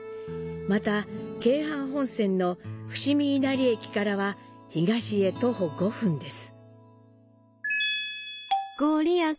また、京阪本線の伏見稲荷駅からは東へ徒歩５分です。